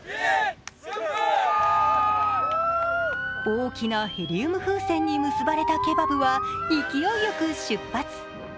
大きなヘリウム風船に結ばれたケバブは勢いよく出発。